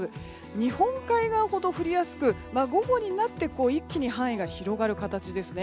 日本海側ほど降りやすく午後になって一気に範囲が広がる形ですね。